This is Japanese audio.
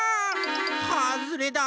はずれだ！